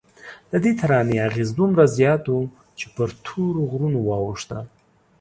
ددې ترانې اغېز دومره زیات و چې پر تورو غرونو واوښته.